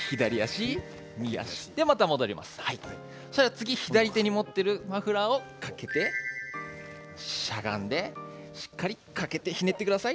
次は左で持っているマフラーをかけて、しゃがんでしっかりかけてひねってください。